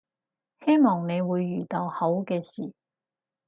希望你會遇到好嘅事